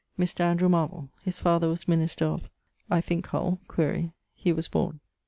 Mr. Andrew Marvell: his father was minister of ... (I thinke, Hull: quaere) ..., he was borne.